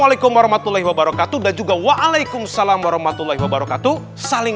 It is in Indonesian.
waalaikum warahmatullahi wabarakatuh dan juga waalaikum salam warahmatullahi wabarakatuh saling